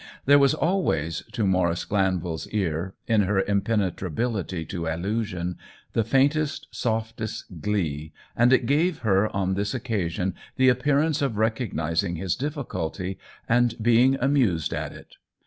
There was always, to Mau rice Glanvil's ear, in her impenetrability to allusion, the faintest, softest glee, and it gave her on this occasion the appear ance of recognizing his difficulty and being amused at it.